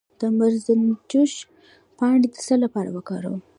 د مرزنجوش پاڼې د څه لپاره وکاروم؟